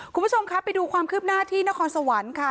คุณผู้ชมครับไปดูความคืบหน้าที่นครสวรรค์ค่ะ